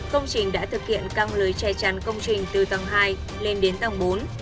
công trình đã thực hiện căng lưới che chắn công trình từ tầng hai lên đến tầng bốn